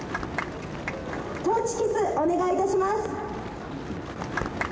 トーチキスお願いいたします」。